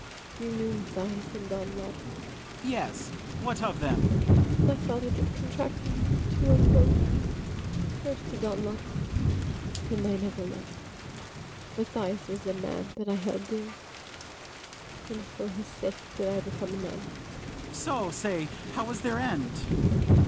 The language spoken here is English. You knew Mathias and Don Lodowick? FRIAR BARNARDINE. Yes; what of them? ABIGAIL. My father did contract me to 'em both; First to Don Lodowick: him I never lov'd; Mathias was the man that I held dear, And for his sake did I become a nun. FRIAR BARNARDINE. So: say how was their end?